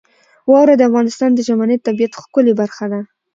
واوره د افغانستان د ژمنۍ طبیعت ښکلې برخه ده.